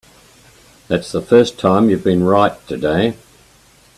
That's the first time you've been right today.